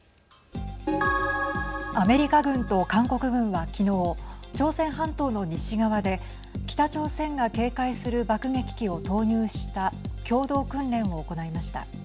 アメリカ軍と韓国軍は昨日朝鮮半島の西側で北朝鮮が警戒する爆撃機を投入した共同訓練を行いました。